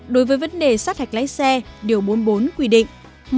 đối với vấn đề sát hạch lái xe điều bốn mươi bốn quy định